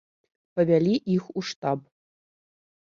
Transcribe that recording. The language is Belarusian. Павялі іх у штаб.